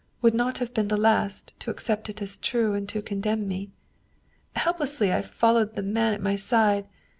would not have been the last to accept it as true and to condemn me. Helplessly I followed the man at my side.